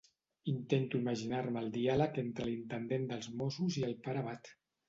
Intento imaginar-me el diàleg entre l'intendent dels Mossos i el pare abat.